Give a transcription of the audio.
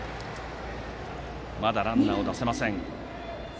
まだランナーを出せません、社。